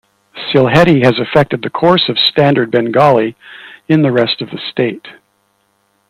Sylheti has affected the course of Standard Bengali in the rest of the state.